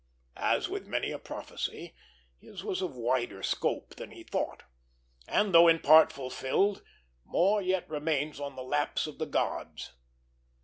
As with many a prophecy, his was of wider scope than he thought; and, though in part fulfilled, more yet remains on the laps of the gods.